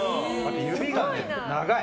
指が長い。